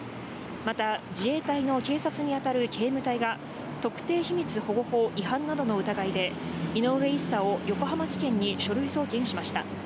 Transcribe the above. また、自衛隊の警察に当たる警務隊が、特定秘密保護法違反などの疑いで、井上１佐を横浜地検に書類送検しました。